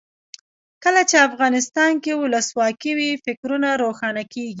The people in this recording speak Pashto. کله چې افغانستان کې ولسواکي وي فکرونه روښانه کیږي.